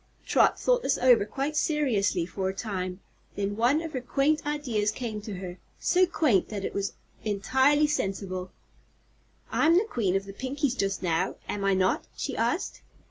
Trot thought this over quite seriously for a time. Then one of her quaint ideas came to her so quaint that it was entirely sensible. "I'm the Queen of the Pinkies just now, am I not?" she asked.